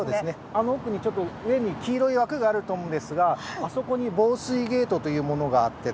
あの奥に上に黄色い枠があると思うんですがあそこに防水ゲートというものがあってですね